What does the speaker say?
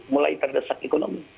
mulai terdesak ekonomi